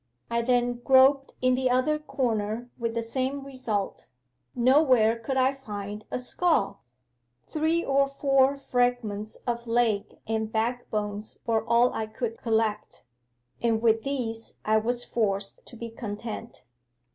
I then groped in the other corner with the same result nowhere could I find a skull. Three or four fragments of leg and back bones were all I could collect, and with these I was forced to be content.